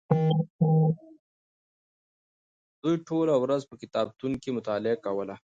دوی ټوله ورځ په کتابتون کې مطالعه کوله.